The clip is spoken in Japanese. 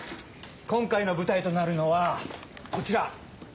今回の舞台となるのはこちら。